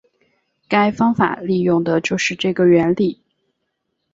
该方法利用的就是这个原理。